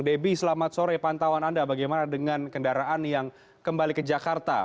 debbie selamat sore pantauan anda bagaimana dengan kendaraan yang kembali ke jakarta